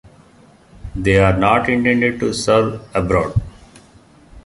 They are not intended to serve abroad.